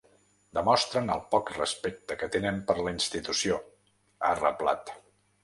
Demostren el poc respecte que tenen per la institució, ha reblat.